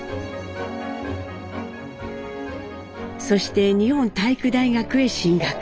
そして日本体育大学へ進学。